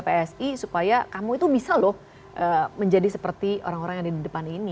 psi supaya kamu itu bisa loh menjadi seperti orang orang yang ada di depan ini